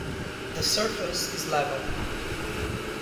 The surface is level.